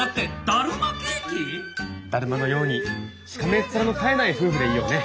だるまのようにしかめっ面の絶えない夫婦でいようね。